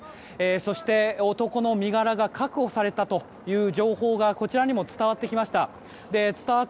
そして、男の身柄が確保されたという情報がこちらにも伝わってきました。